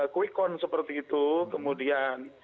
quickcon seperti itu kemudian